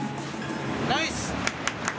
ナイス！